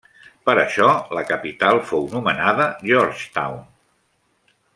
Per això, la capital fou nomenada Georgetown.